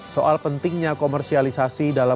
soal pentingnya komersialisasi dalam